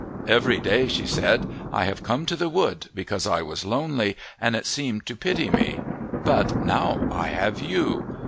"Every day," she said, "I have come to the wood, because I was lonely, and it seemed to pity me. But now I have you.